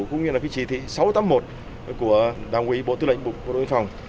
cũng như là cái chỉ thị sáu trăm tám mươi một của đảng ủy bộ tư lệnh bộ đội biên phòng